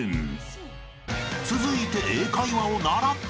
［続いて］